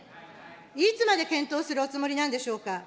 いつまで検討するおつもりなんでしょうか。